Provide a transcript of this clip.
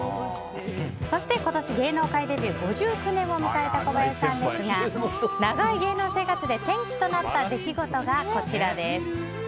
そして今年芸能界デビュー５９年を迎えた小林さんですが長い芸能生活で転機となった出来事がこちらです。